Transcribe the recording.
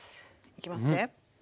いきますね。